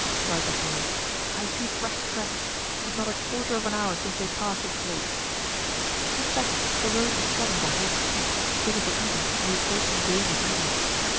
cried D'Artagnan; "I see fresh tracks; 'tis not a quarter of an hour since they passed this place." In fact, the road was trodden by horses' feet, visible even in the approaching gloom of evening.